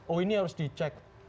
oh ini harus dicek